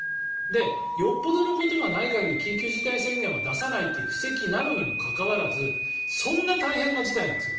よっぽどのことがない限り緊急事態宣言は出さないという布石なのにもかかわらずそんな大変な事態なんですよ。